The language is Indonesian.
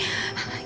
itu kan k